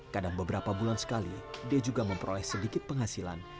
kadang beberapa bulan sekali dia juga memperoleh sedikit penghasilan